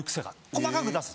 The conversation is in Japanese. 細かく出す。